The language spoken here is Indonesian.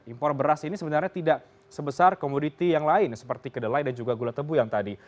impor beras ini sebenarnya tidak sebesar komoditi yang lain seperti kedelai dan juga gula tebu yang tadi